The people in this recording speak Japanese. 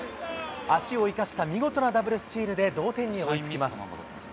足を生かした見事なダブルスチールで同点に追いつきます。